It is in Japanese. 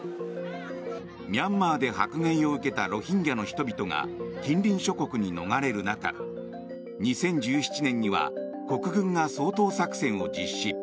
ミャンマーで迫害を受けたロヒンギャの人々が近隣諸国に逃れる中２０１７年には国軍が掃討作戦を実施。